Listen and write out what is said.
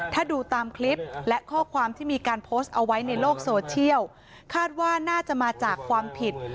ถ้าดูตามคลิปและข้อความที่มีการโพสต์เอาไว้ในโลกโซเชียลคาดว่าน่าจะมาจากความผิด